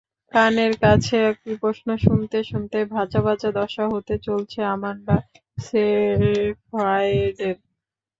কানের কাছে একই প্রশ্ন শুনতে শুনতে ভাজা ভাজা দশা হতে চলেছে আমান্ডা সেফ্রায়েডের।